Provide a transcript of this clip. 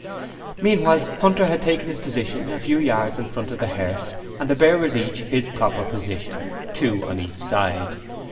Meanwhile, Hunter had taken his position a few yards in front of the hearse and the bearers each his proper position, two on each side.